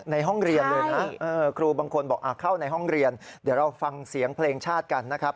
ในห้องเรียนเลยนะครูบางคนบอกเข้าในห้องเรียนเดี๋ยวเราฟังเสียงเพลงชาติกันนะครับ